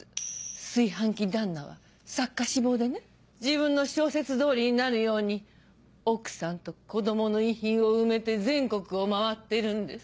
炊飯器旦那は作家志望でね自分の小説通りになるように奥さんと子供の遺品を埋めて全国を回ってるんです。